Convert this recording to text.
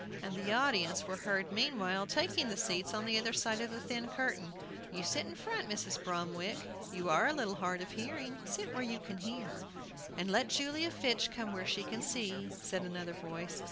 And the audience were heard meanwhile taking the seats on the other side of the thin curtain. "You sit in front, Mrs. Bromwick; you are a little hard of hearing; sit where you can hear." "And let Julia Fitch come where she can see," said another voice.